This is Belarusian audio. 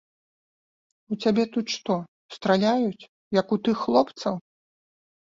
У цябе тут што, страляюць, як у тых хлопцаў?!